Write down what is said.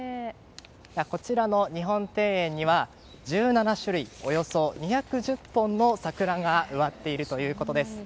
こちらの日本庭園には１７種類、およそ２１０本の桜が植わっているということです。